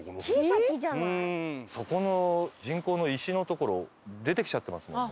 そこの人工の石の所出てきちゃってますもんね。